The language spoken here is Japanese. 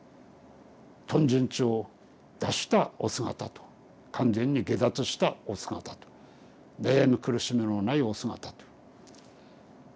貪瞋痴を脱したお姿と完全に解脱したお姿と悩み苦しみのないお姿と。